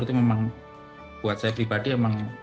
itu memang buat saya pribadi emang